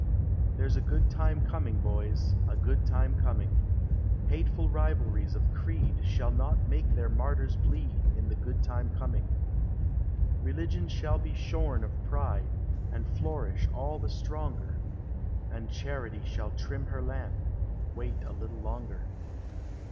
There 's a good time coming, boys, A good time coming: Hateful rivalries of creed Shall not make their martyrs bleed In the good time coining. Religion shall be shorn of pride, And nourish all the stronger ; And Charity shall trim her lamp ;— Wait a little longer.